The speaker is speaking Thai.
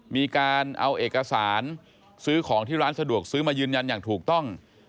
มีการเอาเอกสารซื้อของที่ร้านสะดวกซื้อมายืนยันอย่างถูกต้อง